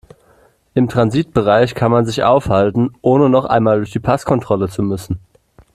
Im Transitbereich kann man sich aufhalten, ohne noch einmal durch die Passkontrolle zu müssen.